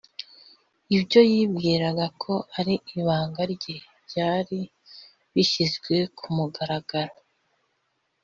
, ibyo yibwiraga ko ari ibanga rye byari bishyizwe ku mugaragaro